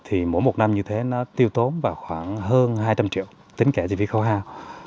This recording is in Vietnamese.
thì mỗi một năm như thế nó tiêu tốn vào khoảng hơn hai trăm linh triệu tính kẻ chi phí khấu hao